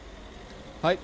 はい。